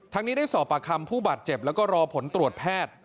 นี้ได้สอบปากคำผู้บาดเจ็บแล้วก็รอผลตรวจแพทย์